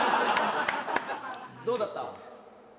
どうだった？